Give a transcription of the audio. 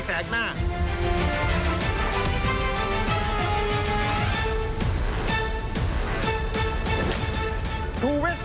สุดท้าย